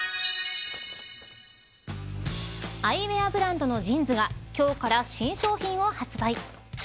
アイウェアブランドのＪＩＮＳが今日から新商品を発売。